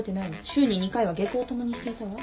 週に２回は下校を共にしていたわ。